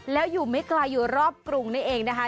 แล้วอยู่ไม่ไกลอยู่รอบกรุงนี่เองนะคะ